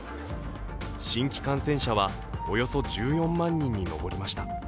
新規感染者はおよそ１４万人に上りました。